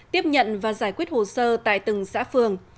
tiếp nhận và giải quyết hồ sơ tại từng xã phường